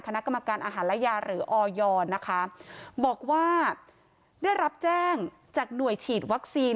คณะกรรมการอาหารและยาหรือออยนะคะบอกว่าได้รับแจ้งจากหน่วยฉีดวัคซีน